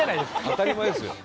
当たり前ですよ。